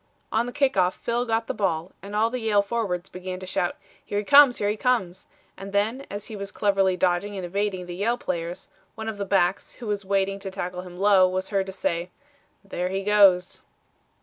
On the kick off Phil got the ball, and all the Yale forwards began to shout, "Here he comes, here he comes," and then as he was cleverly dodging and evading the Yale players, one of the backs, who was waiting to tackle him low, was heard to say, "There he goes."